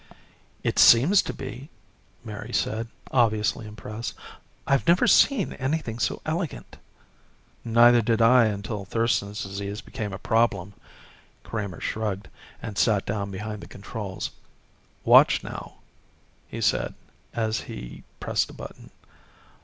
"It seems to be," Mary said, obviously impressed. "I've never seen anything so elegant." "Neither did I until Thurston's Disease became a problem." Kramer shrugged and sat down behind the controls. "Watch, now," he said as he pressed a button.